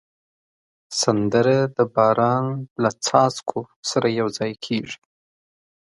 سندره د باران له څاڅکو سره یو ځای کېږي